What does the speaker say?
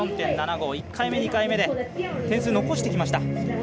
１回目、２回目で点数を残してきました。